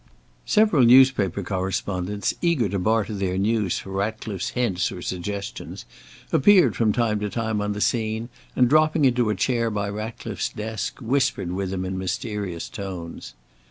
Several newspaper correspondents, eager to barter their news for Ratcliffe's hints or suggestions, appeared from time to time on the scene, and, dropping into a chair by Ratcliffe's desk, whispered with him in mysterious tones.